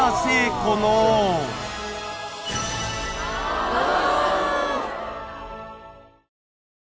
ああ！